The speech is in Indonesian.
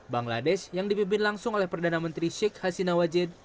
bangladesh yang dipimpin langsung oleh perdana menteri sheikh hasina wajid